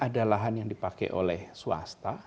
ada lahan yang dipakai oleh swasta